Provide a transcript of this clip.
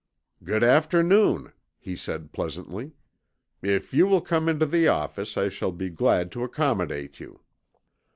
"Good afternoon," he said pleasantly. "If you will come into the office I shall be glad to accommodate you."